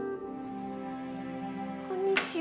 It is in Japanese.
こんにちは。